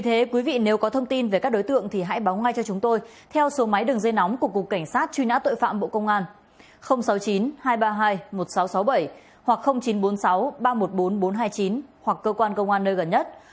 tiếp theo bản tin là thông tin về truy nã tội phạm bộ công an cung cấp